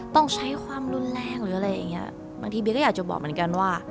ต้องใช้ความรุนแรงหรืออะไรอย่างเงี้ยบางทีเบียก็อยากจะบอกเหมือนกันว่า